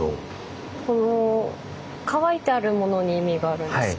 この乾いてあるものに意味があるんですか？